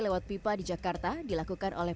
lewat pipa di jakarta dilakukan oleh